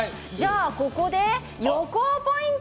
ここで横尾ポイント。